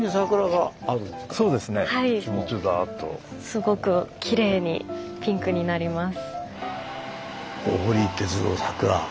すごくきれいにピンクになります。